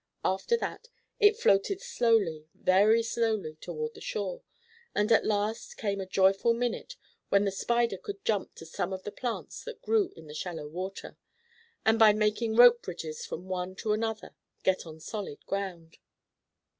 After that, it floated slowly, very slowly, toward the shore, and at last came the joyful minute when the Spider could jump to some of the plants that grew in the shallow water, and, by making rope bridges from one to another, get on solid ground.